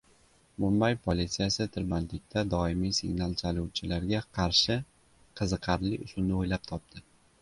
Mumbay polisiyasi tirbandlikda doimiy signal chaluvchilarga qarshi qiziqarli usulni o‘ylab topdi